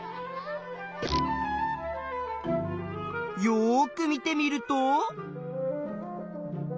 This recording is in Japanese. よく見てみると。